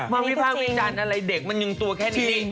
หมอมีภาพวิจันอะไรเด็กมันยึงตัวแค่นี้